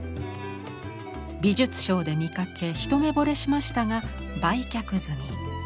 美術商で見かけ一目ぼれしましたが売却済み。